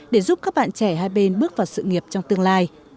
để giúp các bạn trẻ hai bên bước vào sự nghiệp trong tương lai